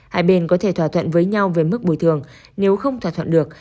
hai bên có thể thỏa thuận với nhau về mức bồi thường nếu không thỏa thuận được